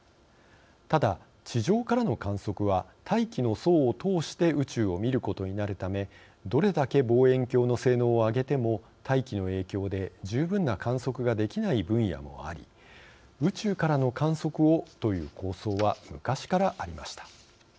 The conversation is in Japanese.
ただ地上からの観測は大気の層を通して宇宙を見ることになるためどれだけ望遠鏡の性能を上げても大気の影響で十分な観測ができない分野もあり宇宙からの観測をという構想は昔からありました。